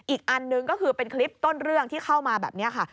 อีกอันหนึ่งก็คือเป็นคลิปต้นเรื่องที่เข้ามาแบบนี้ค่ะ